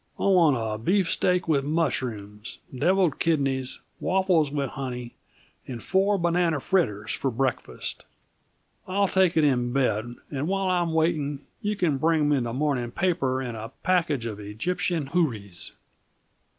I want a beefsteak with mushrooms, devilled kidneys, waffles with honey, and four banana fritters for breakfast. I'll take it in bed; and while I'm waiting, you can bring me the morning paper and a package of Egyptian Houris."